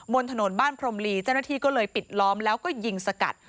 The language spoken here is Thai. บนถนนบ้านพรมลีเจ้าหน้าที่ก็เลยปิดล้อมแล้วก็ยิงสกัด